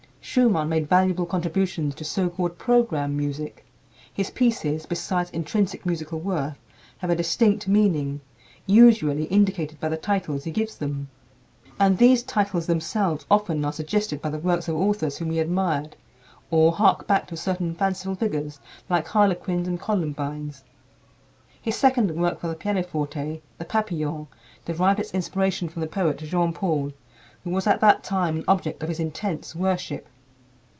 Schumann made valuable contributions to so called program music. His pieces, besides intrinsic musical worth, have a distinct meaning, usually indicated by the titles he gives them. And these titles themselves often are suggested by the works of authors whom he admired, or hark back to certain fanciful figures like harlequins and columbines. His second work for the pianoforte, "The Papillons," derived its inspiration from the poet, Jean Paul, who was at that time an object of his intense worship.